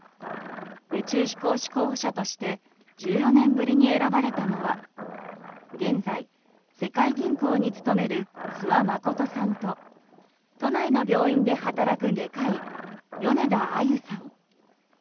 宇宙飛行士候補者として１４年ぶりに選ばれたのは現在、世界銀行に勤める諏訪理さんと都内の病院で働く外科医米田あゆさん。